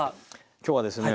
今日はですね